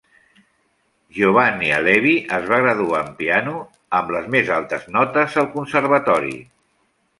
Giovanni Allevi es va graduar en piano amb les més altes notes al Conservatori.